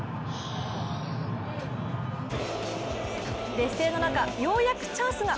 劣勢の中、ようやくチャンスが。